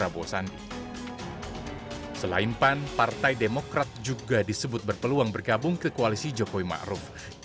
prabowo sandi selain pan partai demokrat juga disebut berpeluang bergabung ke koalisi jokowi ma'ruf